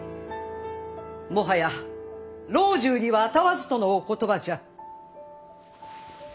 もはや老中には能わずとのお言葉じゃ。